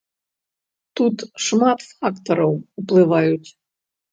Тут шмат фактараў уплываюць.